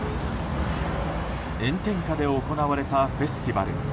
炎天下で行われたフェスティバル。